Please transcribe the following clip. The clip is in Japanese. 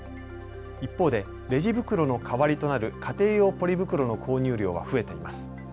一方で、レジ袋の代わりとなる家庭用ポリ袋の購入量は増えています。